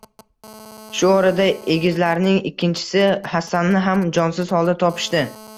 Shu orada egizlarning ikkinchisi Hasanni ham jonsiz holda topishdi